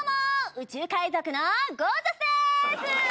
宇宙海賊のゴー☆ジャスでーす。